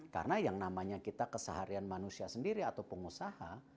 karena yang namanya kita keseharian manusia sendiri atau pengusaha